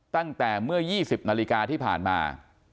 ตั้งแต่เมื่อ๒๐นาฬิกาที่ผ่านมา